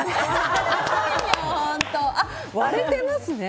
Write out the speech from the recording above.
割れてますね。